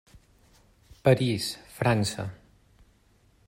París, França.